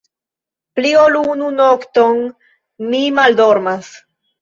Pli ol unu nokton mi maldormas!